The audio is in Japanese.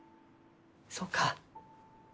そうか。